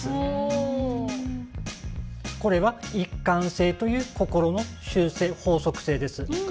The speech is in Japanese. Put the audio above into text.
これは一貫性という心の習性法則性です。